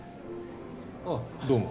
あぁどうも。